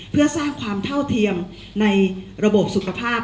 เพื่อสร้างความเท่าเทียมในระบบสุขภาพ